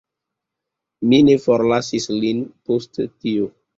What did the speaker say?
Mi ne forlasis lin post tio.